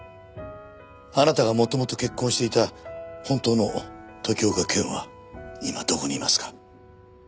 あなたが元々結婚していた本当の時岡賢は今どこにいますか？